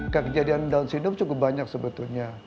kejadian down syndrome cukup banyak sebetulnya